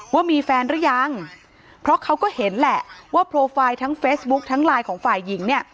ว่ามีแฟนหรือยังเพราะเขาก็เห็นแหละว่าโปรไฟล์ทั้งเฟซบุ๊คทั้งไลน์ของฝ่ายหญิงเนี่ย